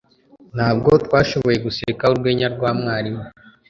Ntabwo twashoboye guseka urwenya rwa mwarimu.